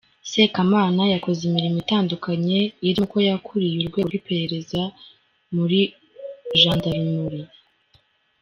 Sekamana Yakoze imirimo itandukanye irimo ko yakuriye Urwego rw’Iperereza muri jandarumuri .